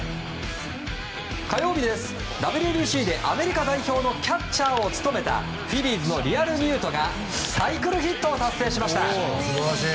火曜日です、あのＷＢＣでアメリカ代表でキャッチャーを務めたフィリーズのリアルミュートがサイクルヒットを達成しました。